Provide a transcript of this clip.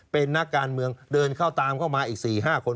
เป็นนักการเมืองเดินเข้าตามเข้ามาอีก๔๕คน